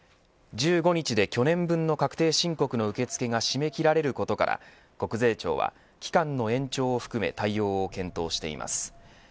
１５日で去年分の確定申告の受け付けが締め切られることから、国税庁は期間の延長を含め対応を検討しています。